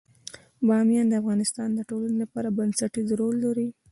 بامیان د افغانستان د ټولنې لپاره بنسټيز رول لري.